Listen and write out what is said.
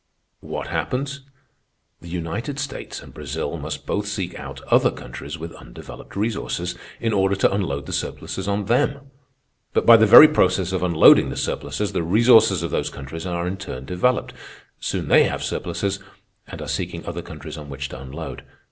"What happens? The United States and Brazil must both seek out other countries with undeveloped resources, in order to unload the surpluses on them. But by the very process of unloading the surpluses, the resources of those countries are in turn developed. Soon they have surpluses, and are seeking other countries on which to unload.